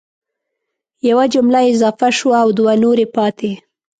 یوه جمله اضافه شوه او دوه نورې پاتي